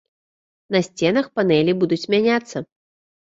На сценах панэлі будуць мяняцца.